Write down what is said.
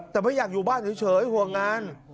แต่ไม่อยากอยู่บ้านเฉยห่วงงาน